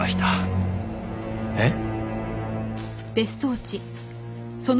えっ？